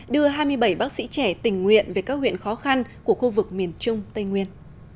đưa hai mươi bảy bác sĩ trẻ tình nguyện về các huyện khó khăn của khu vực miền trung tây nguyên